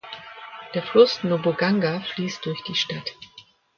Der Fluss Noboganga fließt durch die Stadt.